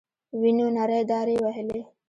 وينو نرۍ دارې وهلې.